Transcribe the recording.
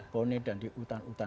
bone dan di hutan hutan